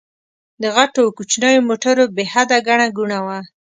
د غټو او کوچنيو موټرو بې حده ګڼه ګوڼه وه.